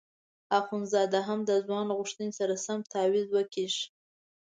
اخندزاده هم د ځوان له غوښتنې سره سم تاویز وکیښ.